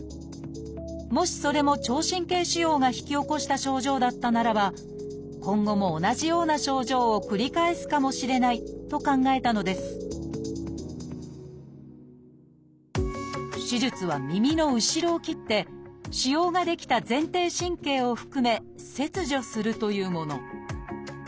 もしそれも聴神経腫瘍が引き起こした症状だったならば今後も同じような症状を繰り返すかもしれないと考えたのです手術は耳の後ろを切って腫瘍が出来た前庭神経を含め切除するというもの。